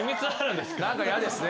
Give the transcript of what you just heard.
何か嫌ですね！